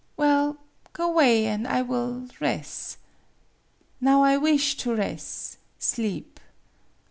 " Well, go 'way, an' I will res'. Now I wish to res' sleep.